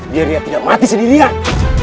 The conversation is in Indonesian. dia tidak mati sendirian